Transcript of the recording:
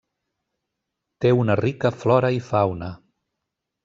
Té una rica flora i fauna.